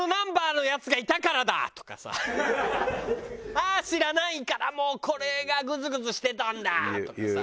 「ああ知らないからもうこれがグズグズしてたんだ！」とかさ。